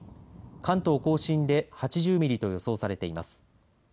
関東甲信で８０ミリと予想されています。